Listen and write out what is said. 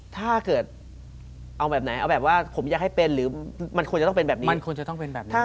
ถ้าเกิดเอาแบบไหนเอาแบบว่าผมอยากให้เป็นหรือมันควรจะต้องเป็นแบบนี้